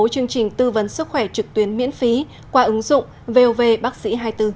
chương trình tư vấn sức khỏe trực tuyến miễn phí qua ứng dụng vov bác sĩ hai mươi bốn